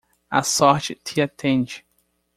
A sorte te atende!